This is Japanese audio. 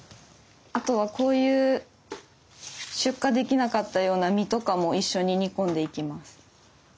あとはこういう出荷できなかったような実とかも一緒に煮込んでいきます。